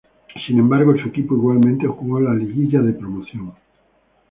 Sin embargo, su equipo igualmente jugó la Liguilla de Promoción.